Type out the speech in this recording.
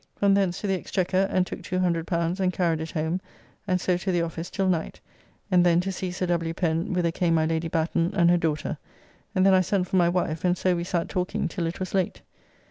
From thence to the Exchequer, and took L200 and carried it home, and so to the office till night, and then to see Sir W. Pen, whither came my Lady Batten and her daughter, and then I sent for my wife, and so we sat talking till it was late.